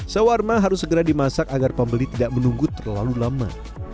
sawarma harus segera dimasak agar pembeli tidak menunggu terlalu lama